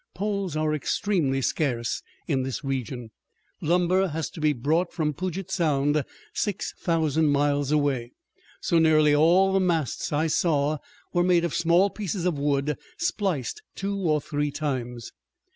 Poles are extremely scarce in this region lumber has to be brought from Puget Sound, 6000 miles away so nearly all the masts I saw were made of small pieces of wood spliced two or three times.